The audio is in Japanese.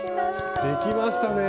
できましたね。